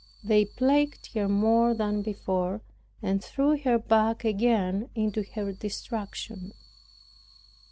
They plagued her more than before, and threw her back again into her distraction.